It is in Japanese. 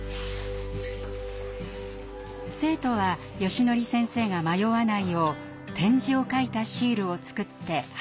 生徒はよしのり先生が迷わないよう点字を書いたシールを作って貼っていきました。